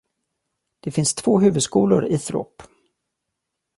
Det finns två huvudskolor i Throp.